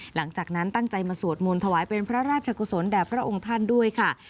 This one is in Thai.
หลังจากนั้นตั้งใจมาสวดมนต์ถวายเป็นพระราชกุศลแด่พระองค์ท่านด้วยค่ะ